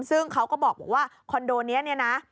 ซึ่งเขาก็บอกว่าคอนโดนี้เนี่ยนะ